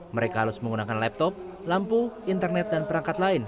mereka harus menggunakan laptop lampu internet dan perangkat lain